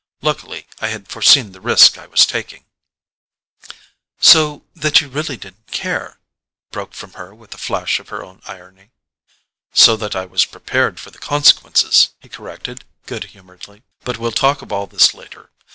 Luckily I had foreseen the risk I was taking——" "So that you really didn't care——?" broke from her with a flash of her old irony. "So that I was prepared for the consequences," he corrected good humouredly. "But we'll talk of all this later.